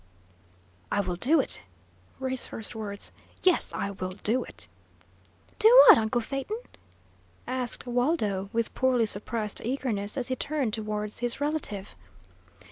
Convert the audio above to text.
"I will do it!" were his first words. "Yes, I will do it!" "Do what, uncle Phaeton?" asked Waldo, with poorly suppressed eagerness, as he turned towards his relative.